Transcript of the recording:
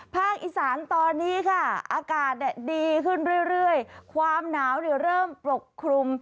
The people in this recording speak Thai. ภาคอีสานตอนนี้ค่ะอากาศดีขึ้นเรื่อยความหนาวเริ่มปกคลุม